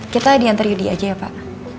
kita diantar yudi aja ya pak